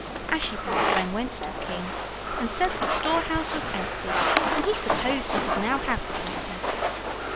Ashiepattle then went to the king and said the storehouse was empty, and he supposed he could now have the princess.